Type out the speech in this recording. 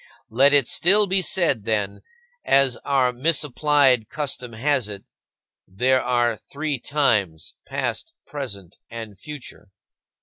Let it still be said, then, as our misapplied custom has it: "There are three times, past, present, and future."